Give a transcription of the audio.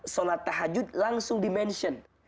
salat tahajud langsung dimention